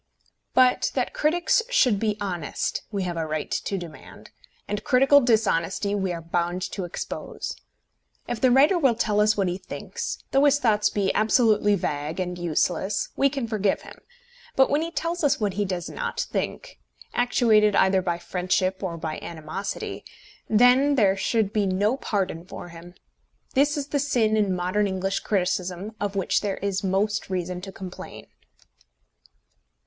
But that critics should be honest we have a right to demand, and critical dishonesty we are bound to expose. If the writer will tell us what he thinks, though his thoughts be absolutely vague and useless, we can forgive him; but when he tells us what he does not think, actuated either by friendship or by animosity, then there should be no pardon for him. This is the sin in modern English criticism of which there is most reason to complain.